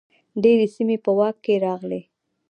ډیرې سیمې په واک کې راغلې.